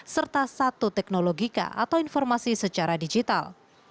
serta satu teknologika atau informasi secara digital